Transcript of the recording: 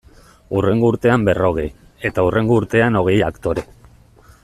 Hurrengo urtean berrogei, eta hurrengo urtean hogei aktore.